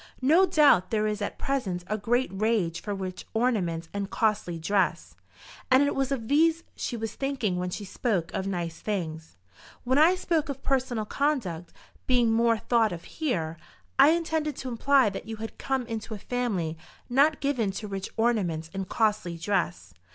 No doubt there is at present a great rage for rich ornaments and costly dress, and it was of these she was thinking when she spoke of nice things. When I spoke of personal conduct being more thought of here, I intended to imply that you had come into a family not given to rich ornaments and costly dress.